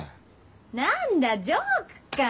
何だジョークか。